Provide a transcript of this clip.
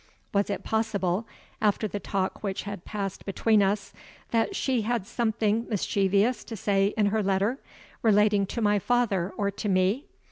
Was it possible after the talk which had passed between us that she had something mischievous to say in her letter, relating to my father or to me?